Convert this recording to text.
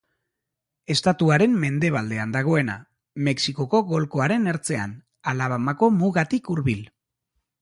Estatuaren mendebaldean dagoena, Mexikoko Golkoaren ertzean, Alabamako mugatik hurbil.